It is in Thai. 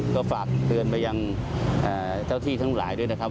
ก็ฝากเตือนไปยังเจ้าที่ทั้งหลายด้วยนะครับ